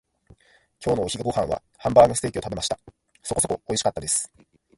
今日のお昼ご飯はハンバーグステーキを食べました。そこそこにおいしかったです。